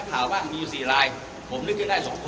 คือวันนี้ก็พึ่งทราบ